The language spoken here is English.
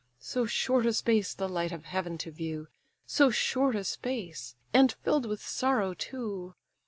So short a space the light of heaven to view! So short a space! and fill'd with sorrow too!